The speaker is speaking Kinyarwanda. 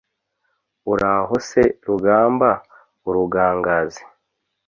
uraho se rugamba urugangazi